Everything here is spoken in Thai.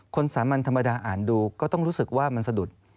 สามัญธรรมดาอ่านดูก็ต้องรู้สึกว่ามันสะดุด